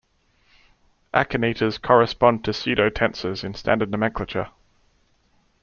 Akinetors correspond to pseudotensors in standard nomenclature.